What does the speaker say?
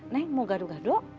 neng mau gaduh gaduh